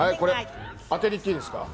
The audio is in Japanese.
当てにいっていいですか？